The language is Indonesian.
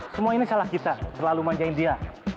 semua ini salah kita terlalu manjain dia